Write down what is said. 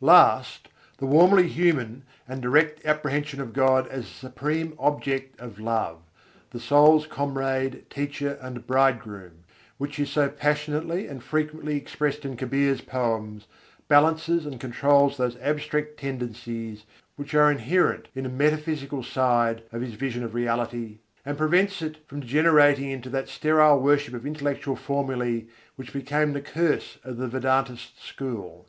Last, the warmly human and direct apprehension of God as the supreme Object of love, the soul's comrade, teacher, and bridegroom, which is so passionately and frequently expressed in Kabîr's poems, balances and controls those abstract tendencies which are inherent in the metaphysical side of his vision of Reality: and prevents it from degenerating into that sterile worship of intellectual formulæ which became the curse of the Vedântist school.